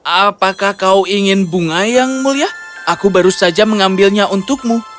apakah kau ingin bunga yang mulia aku baru saja mengambilnya untukmu